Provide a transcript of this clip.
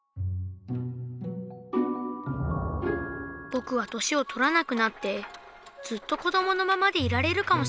ぼくは年をとらなくなってずっとこどものままでいられるかもしれない。